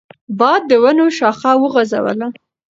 باد د ونو شاخه وخوځوله.